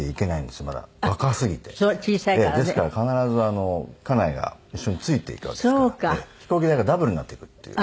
ですから必ず家内が一緒に付いていくわけですから飛行機代がダブルになっていくっていう。